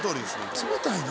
冷たいな。